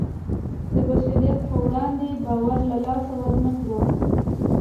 د بشریت په وړاندې باور له لاسه ورنکړو.